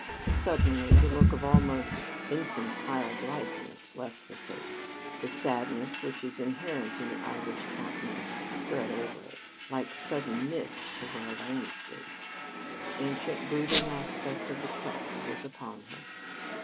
Suddenly the look of almost infantile blitheness left her face. The sadness which is inherent in the Irish countenance spread over it, like sudden mist over a landscape. The ancient brooding aspect of the Celts was upon her.